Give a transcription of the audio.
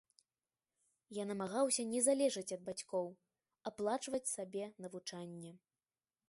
Я намагаўся не залежаць ад бацькоў, аплачваць сабе навучанне.